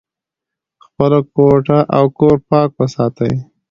خپله کوټه او کور پاک وساتئ.